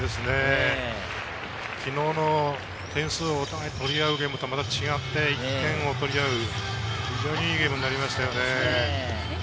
昨日の点数、お互い取り合うゲームとまた違って１点を取り合う、非常にいいゲームになりましたよね。